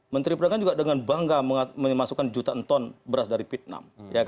menteri perdagangan juga dengan bangga memasukkan jutaan ton beras dari vietnam